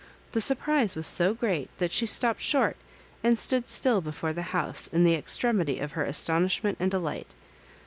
The surprise was so great that she stopped short and stood still before the house in the extremity of her astonishment and delight.